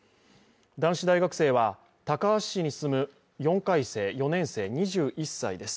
男子大学生は高梁市に住む４回生、２１歳です。